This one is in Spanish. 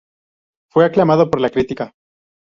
Fue aclamado por la crítica.